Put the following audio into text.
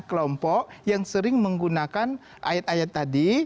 kelompok yang sering menggunakan ayat ayat tadi